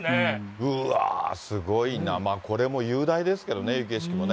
うわー、すごいな、これも雄大ですけどね、雪景色もね。